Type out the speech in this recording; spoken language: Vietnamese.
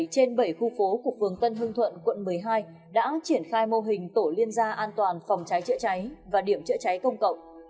bảy trên bảy khu phố của phường tân hương thuận quận một mươi hai đã triển khai mô hình tổ liên gia an toàn phòng cháy chữa cháy và điểm chữa cháy công cộng